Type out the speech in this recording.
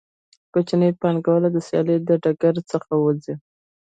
کوچني پانګوال د سیالۍ له ډګر څخه وځي